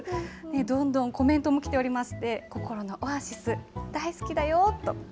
どんどんコメントも来ておりまして、心のオアシス、大好きだよと。